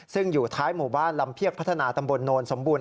ซึ่งอยู่ท้ายหมู่บ้านลำเพียกพัฒนาตำบลโนนสมบูรณ